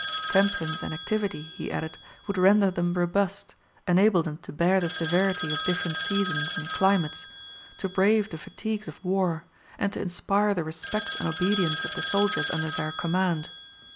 Temperance and activity, he added, would render them robust, enable them to bear the severity of different seasons and climates, to brave the fatigues of war, and to inspire the respect and obedience of the soldiers under their command.